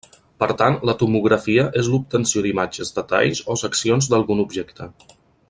Per tant la tomografia és l'obtenció d'imatges de talls o seccions d'algun objecte.